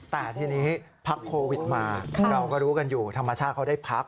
แต่ทีนี้พักโควิดมาเราก็รู้กันอยู่ธรรมชาติเขาได้พัก